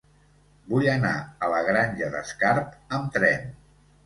Vull anar a la Granja d'Escarp amb tren.